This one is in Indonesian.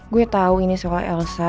gue tau ini seolah elsa